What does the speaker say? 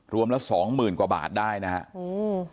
ละสองหมื่นกว่าบาทได้นะฮะอืม